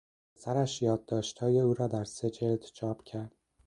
پسرش یادداشتهای او را در سه جلد چاپ کرد.